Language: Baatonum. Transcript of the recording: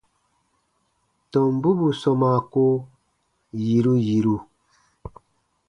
Tɔmbu bù sɔmaa ko yiru yiru.